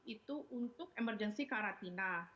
itu untuk emergency karatina